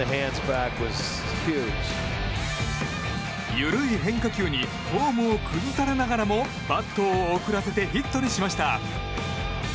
緩い変化球にフォームを崩されながらもバットを遅らせてヒットにしました。